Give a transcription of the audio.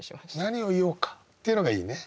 「何を言おうか」っていうのがいいね。